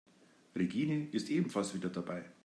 Regine ist ebenfalls wieder dabei.